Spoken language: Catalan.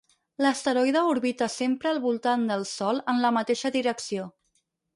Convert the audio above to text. L'asteroide orbita sempre al voltant del Sol en la mateixa direcció.